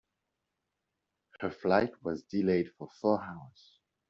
Her flight was delayed for four hours.